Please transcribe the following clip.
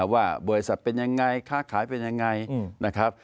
ว่าบริษัทเป็นยังไงค้าขายเป็นยังไงนะครับ